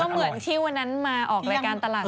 เหมือนที่วันนั้นมาออกรายการตลาด